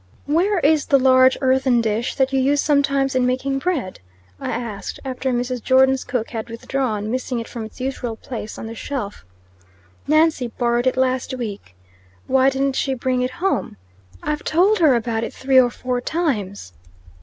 "Where is the large earthen dish that you use sometimes in making bread?" I asked, after Mrs. Jordon's cook had withdrawn, missing it from its usual place on the shelf. "Nancy borrowed it last week." "Why don't she bring it home?" "I've told her about it three or four times."